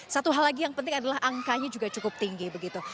satu hal lagi yang penting adalah angkanya juga cukup tinggi begitu